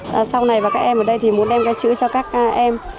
các em sau này và các em ở đây thì muốn đem cái chữ cho các em